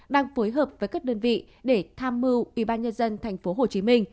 đang phối hợp với các đơn vị để tham mưu ubnd tp hcm